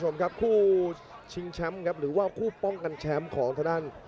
ครับคุณผู้ชิงแชมป์หรือว่าคู่ป้องกันแชมป์ของทดัน